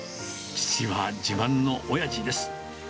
父は自慢のおやじです。